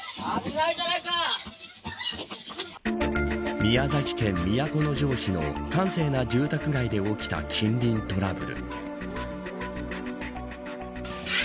宮崎県都城市の閑静な住宅街で起きた近隣トラブル。